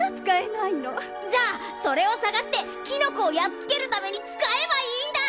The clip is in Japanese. じゃあそれをさがしてキノコをやっつけるためにつかえばいいんだ！